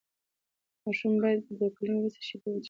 ماشومان باید د دوه کلنۍ وروسته شیدې وڅښي.